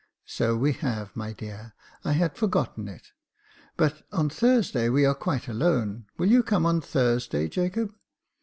"So we have, my dear j I had forgotten it ; but on Thursday we are quite alone : will you come on Thursday, Jacob